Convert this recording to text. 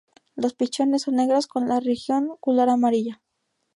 Los pichones son negros, con la región gular amarilla.